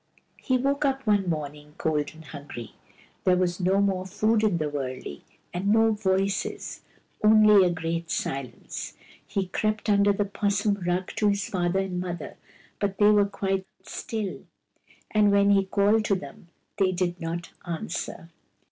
He woke up one morning, cold and hungry. There was no more food in the wurley, and no voices : only a great silence. He crept under the 'possum rug to his father and mother, but they were quite still, and when he called to them, they did not answer.